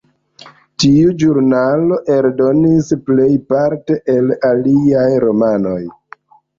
Tiu ĵurnalo eldonis plejparte el liaj romanoj.